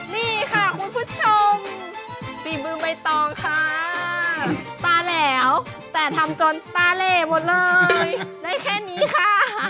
นี่ค่ะคุณผู้ชมฝีมือใบตองค่ะตาแหลวแต่ทำจนตาเหลหมดเลยได้แค่นี้ค่ะ